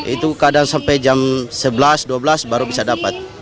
itu kadang sampai jam sebelas dua belas baru bisa dapat